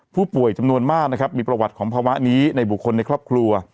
ผู้ป่วยจำนวนมากนะครับมีประวัติของภาวะนี้ในบุคคลในครอบครัว